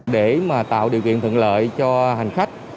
để mà tạo điều kiện thuận lợi cho hành khách